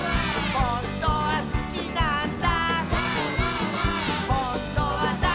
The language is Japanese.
「ほんとはだいすきなんだ」